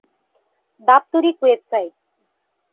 দাপ্তরিক ওয়েবসাইট